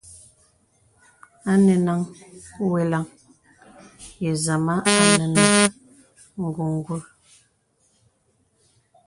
Anɛnaŋ weləŋ yə̀ zàma à nə̀ nə̀ ngùngul.